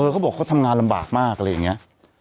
เขาบอกเขาทำงานลำบากมากอะไรอย่างนี้